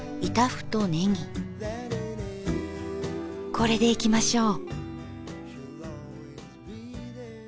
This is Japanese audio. これでいきましょう。